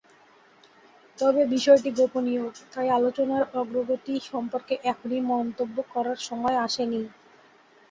তবে বিষয়টি গোপনীয়, তাই আলোচনার অগ্রগতি সম্পর্কে এখনই মন্তব্য করার সময় আসেনি।